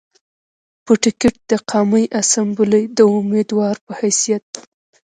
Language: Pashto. پۀ ټکټ د قامي اسمبلۍ د اميدوار پۀ حېثيت